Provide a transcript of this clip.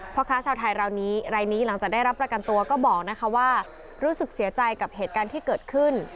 พ่อค้าชาวไทยราวนี้รายนี้หลังจากได้รับประกันตัวก็บอกนะคะว่ารู้สึกเสียใจกับเหตุการณ์ที่เกิดขึ้น